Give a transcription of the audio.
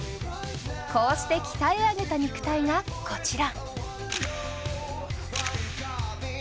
こうして鍛え上げた肉体がこちら。